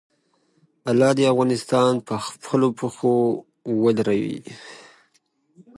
افغانستان کې چنګلونه د چاپېریال د تغیر نښه ده.